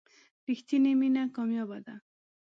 رښتینې مینه کمیابه ده.